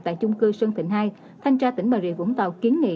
tại chung cư sơn thịnh hai thanh tra tỉnh bà rịa vũng tàu kiến nghị